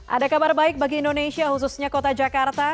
ada kabar baik bagi indonesia khususnya kota jakarta